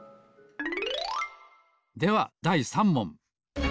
ではだい３もん。